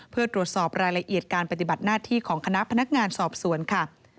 เพื่อตรวจสอบรายละเอียดการปฏิบัติหน้าที่ของคณะพนักงานสอบสวนค่ะ